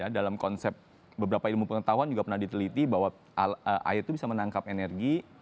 dalam konsep beberapa ilmu pengetahuan juga pernah diteliti bahwa air itu bisa menangkap energi